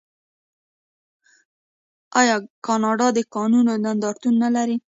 آیا کاناډا د کانونو نندارتون نلري؟